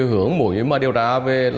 hướng mũi mà điều tra về